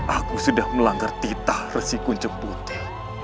aku sudah melanggar titah resikun jemputnya